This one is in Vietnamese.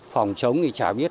phòng chống thì chả biết